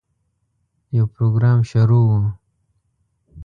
یو پروګرام شروع و.